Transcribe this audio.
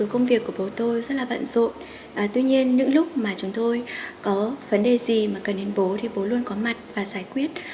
cũng như hỗ trợ chúng tôi